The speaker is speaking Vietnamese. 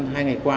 hai ngày qua